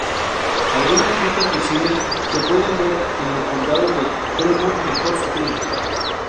Algunas pistas visibles se pueden ver en los condados de Fremont y Hot Springs.